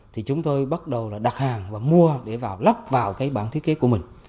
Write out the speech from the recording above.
thì chúng tôi bắt đầu là đặt hàng và mua để lắp vào cái bảng thiết kế của mình